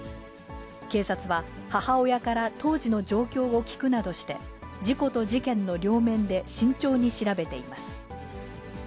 警察は、母親から当時の状況を聴くなどして、事故と事件の両面で慎重に調べています。